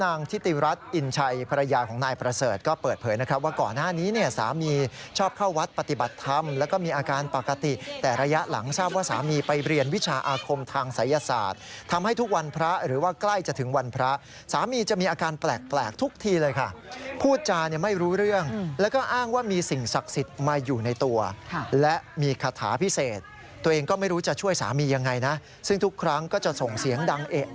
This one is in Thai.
นางทิติรัฐอินชัยภรรยาของนายพระเศรษฐ์ก็เปิดเผยนะครับว่าก่อนหน้านี้เนี่ยสามีชอบเข้าวัดปฏิบัติธรรมแล้วก็มีอาการปกติแต่ระยะหลังทราบว่าสามีไปเรียนวิชาอาคมทางศัยศาสตร์ทำให้ทุกวันพระหรือว่าใกล้จะถึงวันพระสามีจะมีอาการแปลกทุกทีเลยค่ะพูดจานี่ไม่รู้เรื่องแล้วก็อ้างว่ามีส